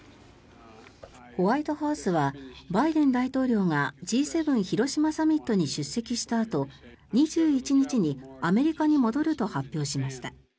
ホワイトハウスはバイデン大統領がＧ７広島サミットに出席したあと２１日にアメリカに戻ると発表しました。